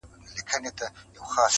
هم له غله هم داړه مار سره یې کار وو،